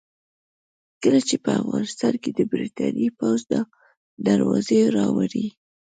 کله چې په افغانستان کې د برتانیې پوځ دا دروازې راوړې.